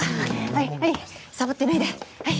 はいはいサボってないではい